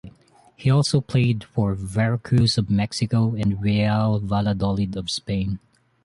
He has also played for Veracruz of Mexico and Real Valladolid of Spain.